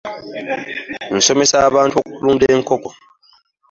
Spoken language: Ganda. Nsomesa abantu okulunda enkoko.